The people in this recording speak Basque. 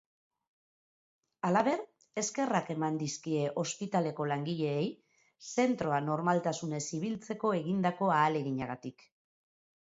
Halaber, eskerrak eman dizkie ospitaleko langileei, zentroa normaltasunez ibiltzeko egindako ahaleginagatik.